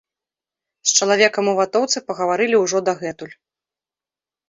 З чалавекам у ватоўцы пагаварылі ўжо дагэтуль.